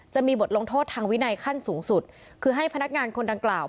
จะมีบทลงโทษทางวินัยขั้นสูงสุดคือให้พนักงานคนดังกล่าว